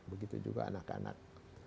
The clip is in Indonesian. begitu juga anak anak